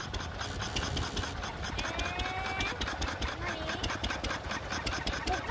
え何？